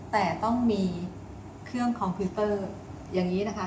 แต่ต้องมีเครื่องคอมพิวเตอร์อย่างนี้นะคะ